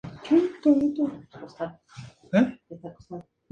Su equipo finalizó la temporada logrando el ascenso a la máxima categoría.